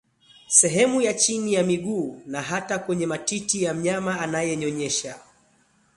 sehemu ya chini ya miguu na hata kwenye matiti ya mnyama anayenyonyesha